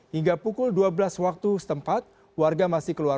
hingga pukul dua belas waktu setempat warga masih keluar